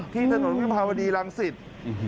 ที่ถนนพิภาวดีรังศิษย์